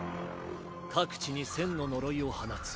各地に１０００の呪いを放つ。